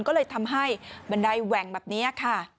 ก็เลยทำให้บันไดแหว่งแบบนี้ค่ะ